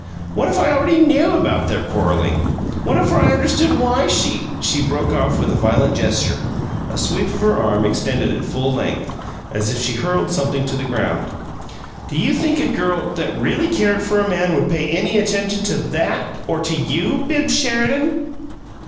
What if I already KNEW all about their 'quarreling'? What if I understood WHY she " She broke off with a violent gesture, a sweep of her arm extended at full length, as if she hurled something to the ground. "Do you think a girl that really cared for a man would pay any attention to THAT? Or to YOU, Bibbs Sheridan!"